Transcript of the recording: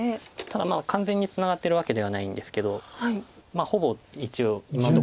ただ完全にツナがってるわけではないんですけどほぼ一応今のところ大丈夫という感じで。